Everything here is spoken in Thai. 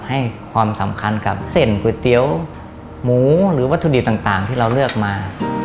ให้ความสำคัญกับเส้นก๋วยเตี๋ยวหมูหรือวัตถุดิบต่างที่เราเลือกมา